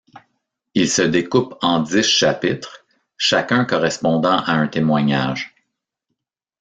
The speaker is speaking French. Il se découpe en dix chapitres, chacun correspondant à un témoignage.